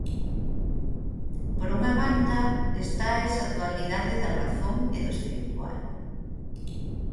Por unha banda, está esa dualidade da razón e do espiritual.